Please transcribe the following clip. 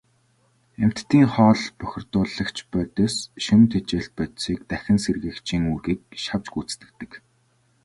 Амьтдын хоол, бохирдуулагч бодис, шим тэжээлт бодисыг дахин сэргээгчийн үүргийг шавж гүйцэтгэдэг.